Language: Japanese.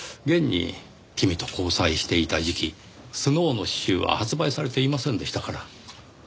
現に君と交際していた時期スノウの詩集は発売されていませんでしたから。